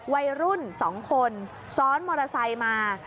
วัยรุ่น๒คนซ้อนมอเตอร์ไซค์มา